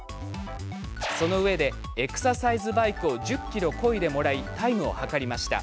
そのうえでエクササイズバイクを１０ｋｍこいでもらいタイムを計りました。